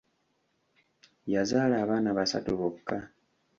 Yazaala abaana basatu bokka.